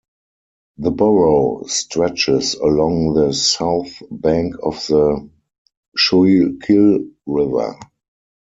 The borough stretches along the south bank of the Schuylkill River.